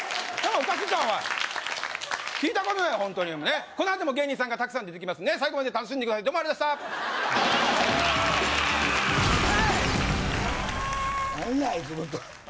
おかしいんちゃうか聞いたことないホントにこのあとも芸人さんがたくさん出てきますんで最後まで楽しんでくださいどうもありがとうございましたえ